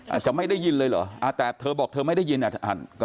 อาจจะไม่ได้ยินเลยเหรอแต่เธอบอกเธอไม่ได้ยิน